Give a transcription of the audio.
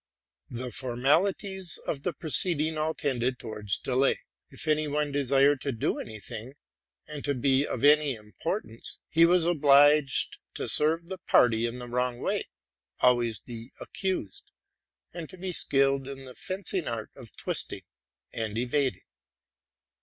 The formalities of the proceeding all tended towards delay: if any one desired to do any thing, and to be of any importance, he was obliged to serve the party in the wrong, — always the accused, — and to be skilled in the fencing art of twisting and evading.